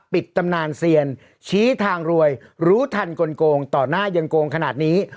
ตำนานเซียนชี้ทางรวยรู้ทันกลงต่อหน้ายังโกงขนาดนี้